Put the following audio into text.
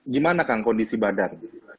gimana kang kondisi badan